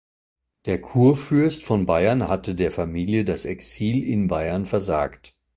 Der Kurfürst von Bayern hatte der Familie das Exil in Bayern versagt.